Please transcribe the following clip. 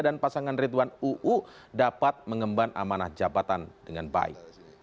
dan pasangan ridwan uu dapat mengembang amanah jabatan dengan baik